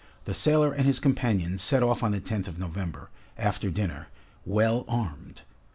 The sailor and his companions set off on the 10th of November, after dinner, well armed.